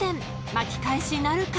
［巻き返しなるか？］